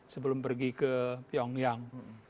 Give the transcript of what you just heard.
sebelum pergi ke pyongyang